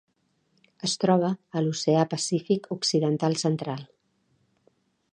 Es troba a l'Oceà Pacífic occidental central: